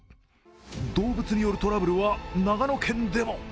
動物によるトラブルは長野県でも。